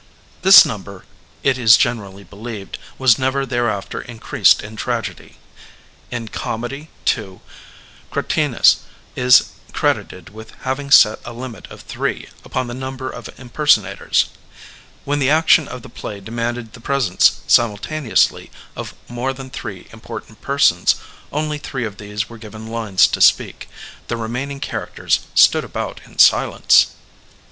This number, it is generally believed, was never thereafter increased in tragedy. In comedy, too, Cratinus is credited with having set a limit of three Digitized by Google 470 EVOLUTION OF THE ACTOR upon the number of impersonators. When the action of the play demanded the presence simnltaneously of more than three important persons, only three of these were given lines to speak; the remaining char acters stood about in silence.